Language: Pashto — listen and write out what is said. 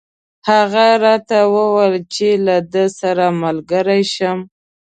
هغه راته وویل چې له ده سره ملګری شم.